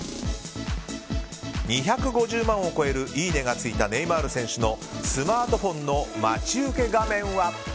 ２５０万を超えるいいねがついたネイマール選手のスマートフォンの待ち受け画面は。